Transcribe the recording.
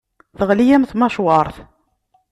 Teɣli-yam tmacwart.